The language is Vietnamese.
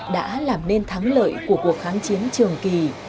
đã làm nên thắng lợi của cuộc kháng chiến trường kỳ